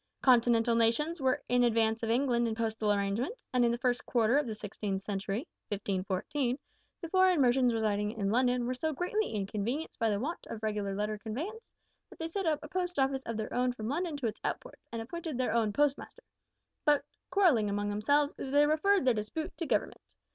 Continental nations were in advance of England in postal arrangements, and in the first quarter of the sixteenth century (1514) the foreign merchants residing in London were so greatly inconvenienced by the want of regular letter conveyance, that they set up a Post Office of their own from London to its outports, and appointed their own Postmaster, but, quarrelling among themselves, they referred their dispute to Government.